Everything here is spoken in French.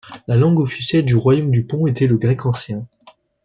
La langue officielle du royaume du Pont était le grec ancien.